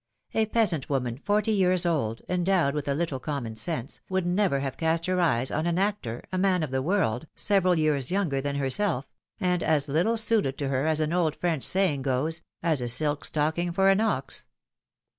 A peasant woman, forty years old, endowed with a little common sense, would never have cast her eyes on an actor, a man of the world, several years younger than her self, and as little suited to her, as an old French saying goes, ^^as a silk stocking for an ox."